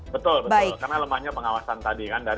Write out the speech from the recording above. betul betul karena lemahnya pengawasan tadi kan